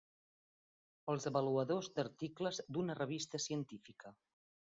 Els avaluadors d'articles d'una revista científica.